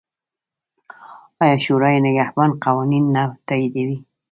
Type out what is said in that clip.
آیا شورای نګهبان قوانین نه تاییدوي؟